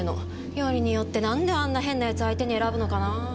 よりによって何であんな変な奴相手に選ぶのかなぁ。